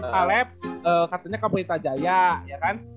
caleb katanya ke pulau itajaya ya kan